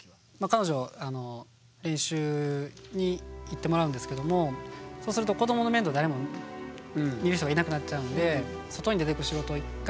彼女練習に行ってもらうんですけどもそうすると子どもの面倒誰も見る人がいなくなっちゃうんでえっ？